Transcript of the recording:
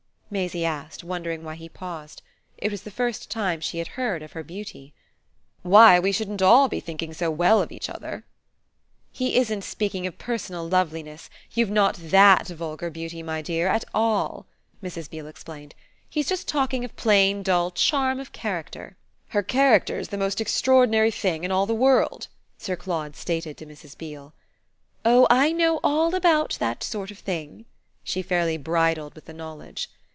Maisie asked, wondering why he paused. It was the first time she had heard of her beauty. "Why, we shouldn't all be thinking so well of each other!" "He isn't speaking of personal loveliness you've not THAT vulgar beauty, my dear, at all," Mrs. Beale explained. "He's just talking of plain dull charm of character." "Her character's the most extraordinary thing in all the world," Sir Claude stated to Mrs. Beale. "Oh I know all about that sort of thing!" she fairly bridled with the knowledge.